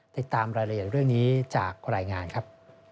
ติดตามรายละเอียดเรื่องนี้จากรายงานครับ